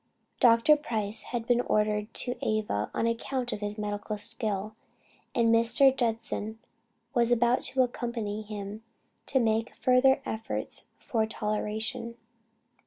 Dr. Price had been ordered to Ava on account of his medical skill, and Mr. Judson was about to accompany him to make a further effort for toleration.